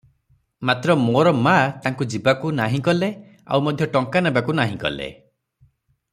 ମାତ୍ର ମୋର ମା ତାଙ୍କୁ ଯିବାକୁ ନାହିଁ କଲେ ଆଉ ମଧ୍ୟ ଟଙ୍କା ନେବାକୁ ନାହିଁ କଲେ ।